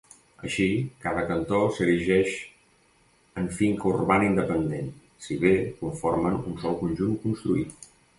Així, cada cantó s'erigeix en finca urbana independent, si bé conformen un sol conjunt construït.